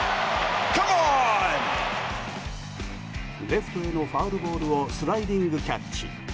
レフトへのファウルボールをスライディングキャッチ。